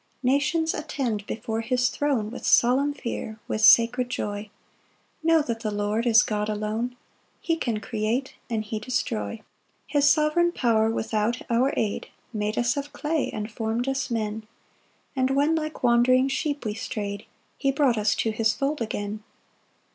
2 Nations, attend before his throne With solemn fear, with sacred joy; Know that the Lord is God alone; He can create, and he destroy. 3 His sovereign power, without our aid, Made us of clay, and form'd us men; And when like wandering sheep we stray'd, He brought us to his fold again.